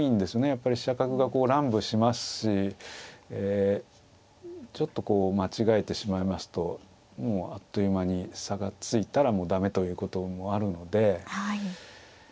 やっぱり飛車角が乱舞しますしちょっとこう間違えてしまいますともうあっという間に差がついたらもう駄目ということもあるので。